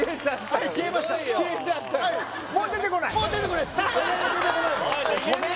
はいもう出てこない？